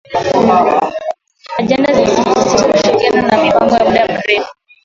Ajenda zimesisitiza ushirikiano na mipango ya muda mrefu